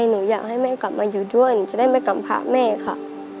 หนูอยากให้แม่กลับมาอยู่ด้วยหนูจะได้ไม่กำพระแม่ค่ะ